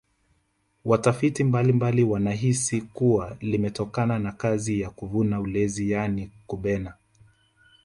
watafiti mbalimbali wanahisi kuwa limetokana na kazi ya kuvuna ulezi yaani kubena